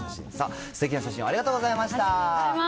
さあ、すてきな写真をありがとうございました。